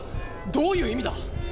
どういう意味だ？